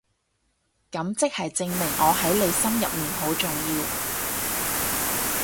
噉即係證明我喺你心入面好重要